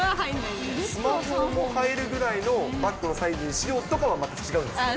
スマホも入るぐらいのバッグのサイズにしようとかは、また違うんですか？